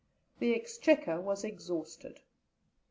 The exchequer was exhausted.